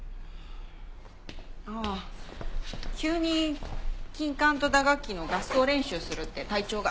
ああ急に金管と打楽器の合奏練習するって隊長が。